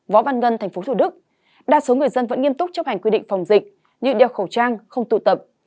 võ văn ngân tp thủ đức đa số người dân vẫn nghiêm túc chấp hành quy định phòng dịch như đeo khẩu trang không tụ tập